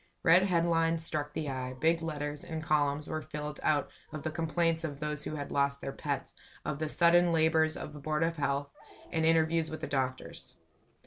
Red headlines struck the eye, big letters, and columns were filled out of the complaints of those who had lost their "pets," of the sudden labors of the board of health, and interviews with doctors.